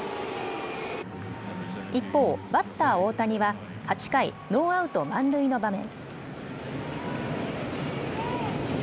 一方、バッター大谷は８回、ノーアウト満塁の場面。